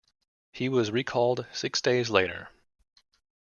He was recalled six days later.